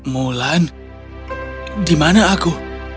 mulan di mana aku